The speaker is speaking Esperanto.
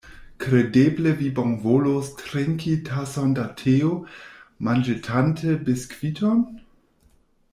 Kredeble vi bonvolos trinki tason da teo, manĝetante biskviton?